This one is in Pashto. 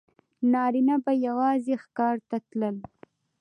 نارینه به یوازې ښکار ته تلل.